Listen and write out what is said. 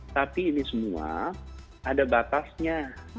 tapi ini semua ada batasnya